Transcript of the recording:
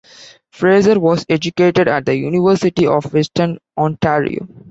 Fraser was educated at the University of Western Ontario.